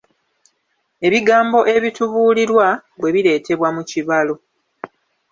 Ebigambo ebitubuulirwa, bwe bireetebwa mu kibalo.